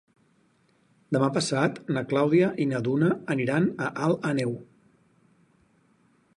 Demà passat na Clàudia i na Duna aniran a Alt Àneu.